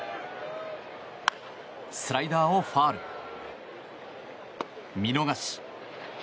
スライダーをファウル、見逃し。